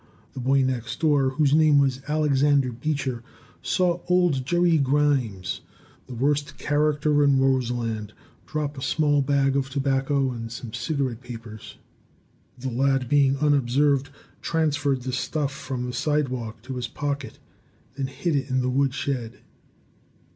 The boy next door, whose name was Albert Beecher, saw old Jerry Grimes, the worst character in Roseland, drop a small bag of tobacco and some cigarette papers. The lad, being unobserved, transferred the stuff from the sidewalk to his pocket, then hid it in the wood shed.